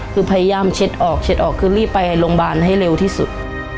คือพยายามเช็ดออกเช็ดออกคือรีบไปโรงพยาบาลให้เร็วที่สุด